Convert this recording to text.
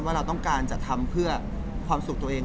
ว่าเราต้องการจะทำเพื่อความสุขตัวเอง